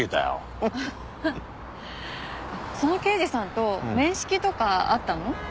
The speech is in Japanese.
その刑事さんと面識とかあったの？